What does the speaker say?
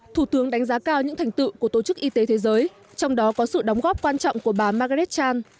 thủ tướng đánh giá cao những thành tựu của tổ chức y tế thế giới trong đó có sự đóng góp quan trọng của bà margaret chan